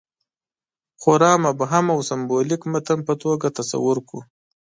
خورا مبهم او سېمبولیک متن په توګه تصور کړو.